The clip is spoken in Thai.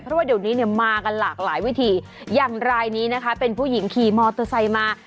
เพราะว่าเดี๋ยวนี้เนี่ยมากันหลากหลายวิธีอย่างรายนี้นะคะเป็นผู้หญิงขี่มอเตอร์ไซค์มา